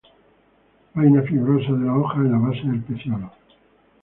Vaina fibrosa de la hoja en la base del peciolo.